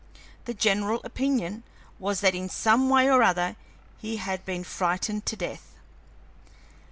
The general opinion was that in some way or other he had been frightened to death.